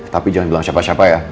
tapi jangan bilang siapa siapa ya